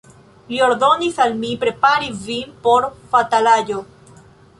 Li ordonis al mi prepari vin por fatalaĵo.